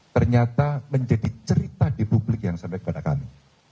ternyata menjadi cerita di publik yang sampai kepada kami